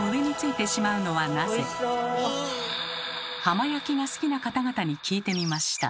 浜焼きが好きな方々に聞いてみました。